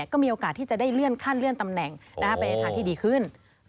ก็มีโอกาสที่จะได้เลื่อนขั้นเลื่อนตำแหน่งไปในทางที่ดีขึ้น